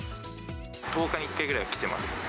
１０日に１回ぐらい来てます。